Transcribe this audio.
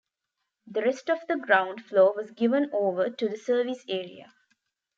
The rest of the ground floor was given over to the service areas.